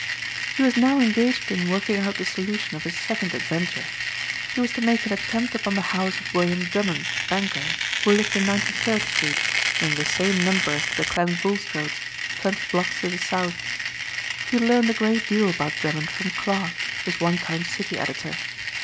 He was now engaged in working out the solution of his second adventure. He was to make an attempt upon the house of William Drummond, banker, who lived in 93rd street and in the same number as did the Clent Bulstrodes, twenty blocks to the south. He had learned a great deal about Drummond from Clarke, his one time city editor.